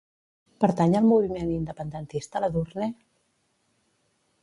Pertany al moviment independentista l'Edurne?